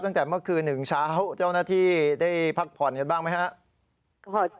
ตั้งแต่เมื่อคืน๑เช้าเจ้าหน้าที่ได้พักผ่อนกันบ้างไหมครับ